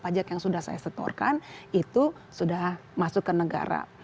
pajak yang sudah saya setorkan itu sudah masuk ke negara